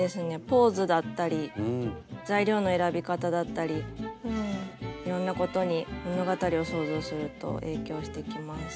ポーズだったり材料の選び方だったりいろんなことに物語を想像すると影響してきます。